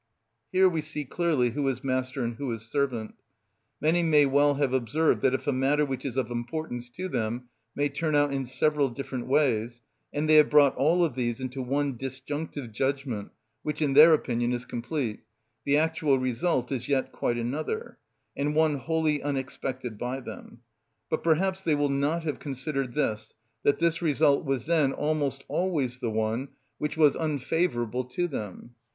Here we see clearly who is master and who is servant. Many may well have observed that if a matter which is of importance to them may turn out in several different ways, and they have brought all of these into one disjunctive judgment which in their opinion is complete, the actual result is yet quite another, and one wholly unexpected by them: but perhaps they will not have considered this, that this result was then almost always the one which was unfavourable to them.